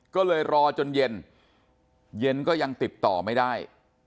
ก็เลยรอจนเย็นเย็นก็ยังติดต่อไม่ได้